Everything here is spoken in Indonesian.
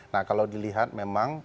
nah kalau dilihat memang